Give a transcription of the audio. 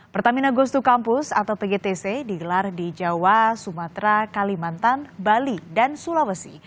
pertamina goes to campus atau pgtc digelar di jawa sumatera kalimantan bali dan sulawesi